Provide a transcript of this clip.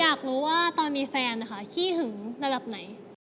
อยากรู้ว่าตอนมีแฟนนะคะขี้หึงระดับไหน